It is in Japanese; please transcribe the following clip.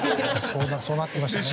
そうなってきましたね。